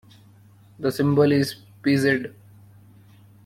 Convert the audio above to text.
The symbol is pz.